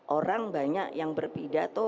orang banyak yang berpidato